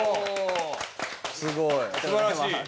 すごい。